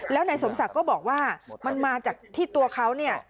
แล้วนายสมศักดิ์ก็บอกว่ามันมาจากที่ตัวเขาเนี่ย